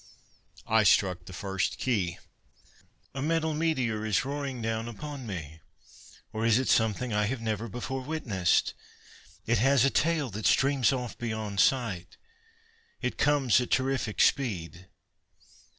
I struck the first key. "A metal meteor is roaring down upon me. Or is it something I have never before witnessed? It has a tail that streams off beyond sight. It comes at terrific speed.